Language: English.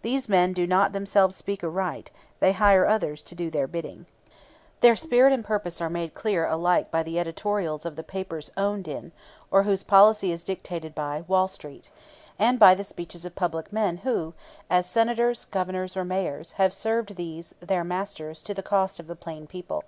These men do not themselves speak or write; they hire others to do their bidding. Their spirit and purpose are made clear alike by the editorials of the papers owned in, or whose policy is dictated by, Wall Street, and by the speeches of public men who, as Senators, Governors, or Mayors, have served these their masters to the cost of the plain people.